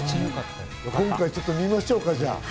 今回、ちょっと見ましょうか。